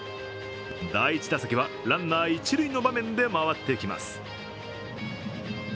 第１打席はランナー一塁の場面で回ってきます。